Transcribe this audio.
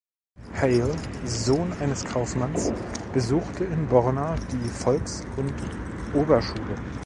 Heyl, Sohn eines Kaufmanns, besuchte in Borna die Volks- und Oberschule.